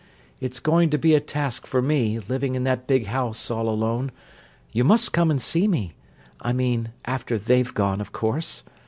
It's going to be a task for me, living in that big house, all alone: you must come and see me—I mean after they've gone, of course.